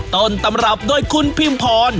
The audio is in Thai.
ต้นตำรับด้วยคุณพิมพร